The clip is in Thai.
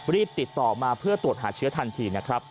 รีบติดต่อมาเพื่อตรวจหาเชื้อทันทีนะครับ